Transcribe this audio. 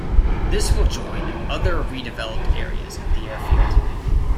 This will join other redeveloped areas of the airfield.